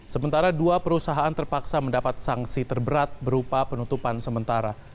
sementara dua perusahaan terpaksa mendapat sanksi terberat berupa penutupan sementara